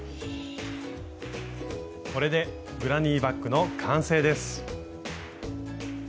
これでグラニーバッグの完成です。